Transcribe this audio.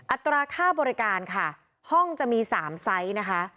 อัตราค่าบริการค่ะห้องจะมี๓ไซส์นะคะ